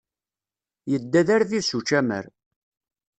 Yedda d arbib s učamar.